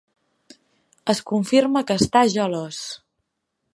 Es confirma que està gelós.